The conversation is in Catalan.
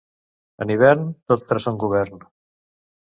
En hivern, tot perd son govern.